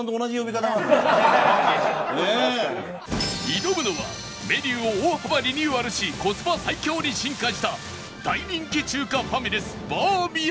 挑むのはメニューを大幅リニューアルしコスパ最強に進化した大人気中華ファミレスバーミヤン